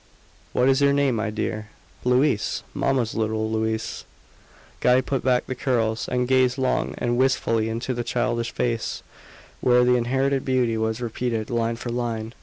"What is your name, my dear?" "Louise mamma's little Louise." Guy put back the curls, and gazed long and wistfully into the childish face, where the inherited beauty was repeated line for line.